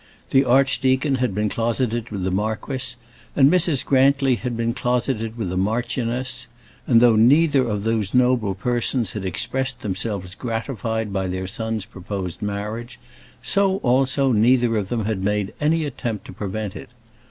The archdeacon had been closeted with the marquis, and Mrs. Grantly had been closeted with the marchioness; and though neither of those noble persons had expressed themselves gratified by their son's proposed marriage, so also neither of them had made any attempt to prevent it.